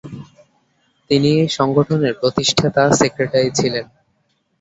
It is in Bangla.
তিনি এই সংগঠনের প্রতিষ্ঠাতা সেক্রেটারি ছিলেন।